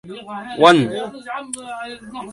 Clyde made the first ascent of nearby Mt.